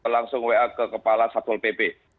langsung wa ke kepala satpol pp